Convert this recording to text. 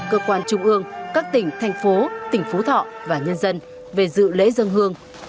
cơ quan trung ương các tỉnh thành phố tỉnh phú thọ và nhân dân về dự lễ dân hương